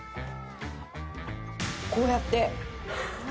こうやって。